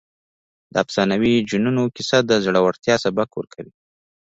د افسانوي جنونو کیسه د زړورتیا سبق ورکوي.